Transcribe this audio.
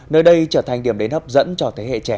nơi đây trở thành điểm đến hấp dẫn cho thế hệ trẻ